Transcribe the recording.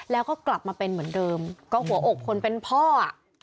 แล้วก็กลับมาเป็นเหมือนเดิมก็หัวอกคนเป็นพ่ออ่ะ